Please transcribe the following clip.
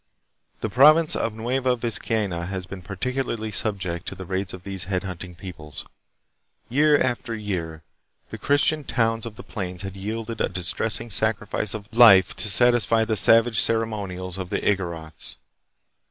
The province of Nueva Vizcaya has been particularly subject to the raids of these head hunting peoples. Year after year the Christian towns of the plains had yielded a distressing 266 THE PHILIPPINES. sacrifice of life to satisfy the savage ceremonials of the Igorots.